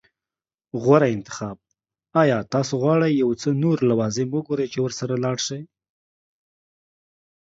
غوره انتخاب. ایا تاسو غواړئ یو څه نور لوازم وګورئ چې ورسره لاړ شئ؟